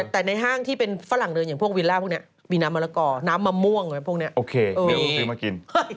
แต่ในห้างที่เป็นฝรั่งเดินอย่างพวกวิลล่าพวกนี้มีน้ำมะละกอน้ำมะม่วงพวกนี้โอเคมีคนซื้อมากิน